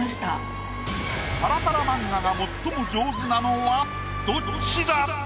パラパラ漫画が最も上手なのはどっちだ？